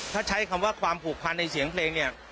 ถ้าใช้คำว่าความผูกพันในเสียงเพลงเนี่ย